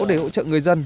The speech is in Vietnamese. để hỗ trợ người dân